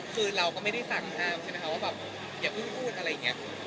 คือเราก็ไม่ได้สั่งห้ามใช่ไหมคะว่าแบบอย่าเพิ่งพูดอะไรอย่างนี้